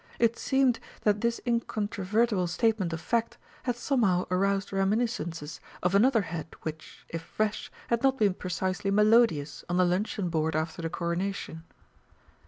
It seemed that this incontrovertible statement of fact had somehow aroused reminiscences of another head which, if fresh, had not been precisely melodious on the luncheon board after the Coronation.